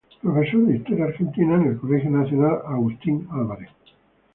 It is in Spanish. Profesor de Historia Argentina en el Colegio Nacional Agustín Álvarez.